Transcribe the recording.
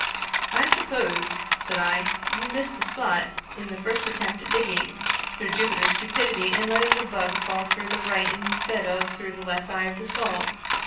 " I suppose," said I, " you missed the spot, in the first attempt at digging, through Jupiter's stupidity in letting the bug fall through the right instead of through the left eye of the skull."